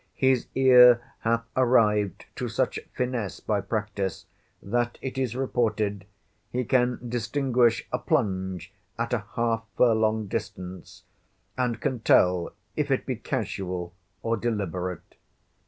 His ear hath arrived to such finesse by practice, that it is reported, he can distinguish a plunge at a half furlong distance; and can tell, if it be casual or deliberate.